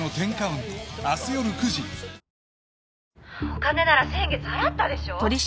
「お金なら先月払ったでしょう？